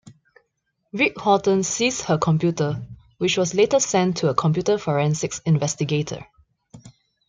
Rick Horton seized her computer which was later sent to a computer forensics investigator.